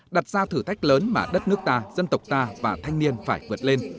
đặt ra thử thách lớn mà đất nước ta dân tộc ta và thanh niên phải vượt lên